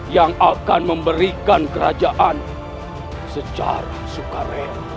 yang akan memberikan kerajaan secara sukarela